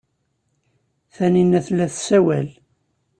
Taninna tella tessawal.